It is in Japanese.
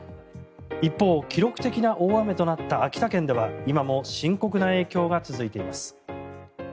一方、記録的な大雨となった秋田県では今も深刻な影響が続いています。